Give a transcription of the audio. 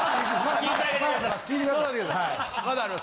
聞いてあげてください。